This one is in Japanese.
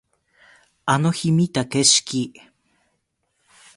あの日見た景色